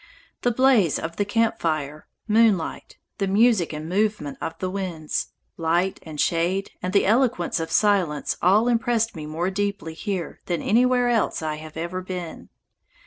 The blaze of the camp fire, moonlight, the music and movement of the winds, light and shade, and the eloquence of silence all impressed me more deeply here than anywhere else I have ever been.